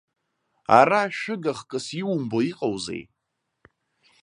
Ара шәыга хкыс иумбо иҟоузеи!